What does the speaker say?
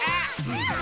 うん。